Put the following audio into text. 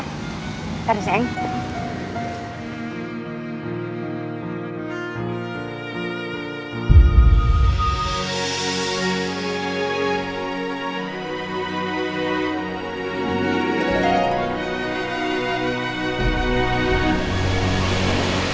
tunggu sebentar sayang